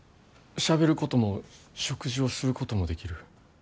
しゃべることも食事をすることもできる。